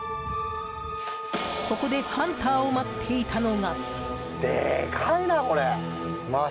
ここでハンターを待っていたのが。